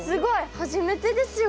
初めてですよ。